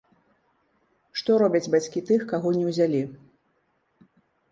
Што робяць бацькі тых, каго не ўзялі.